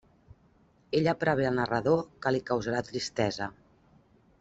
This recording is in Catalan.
Ella prevé el narrador que li causarà tristesa.